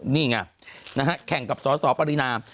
นี่ไงนะฮะแข่งกับสสปรินา